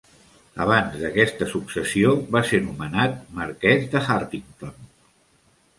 Abans d'aquesta successió, va ser nomenat marquès de Hartington.